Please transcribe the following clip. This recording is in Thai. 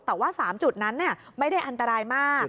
แต่ว่า๓จุดนั้นไม่ได้อันตรายมาก